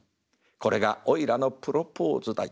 これがおいらのプロポーズだい。